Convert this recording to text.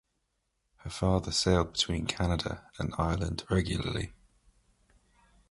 Her father sailed between Canada and Ireland regularly.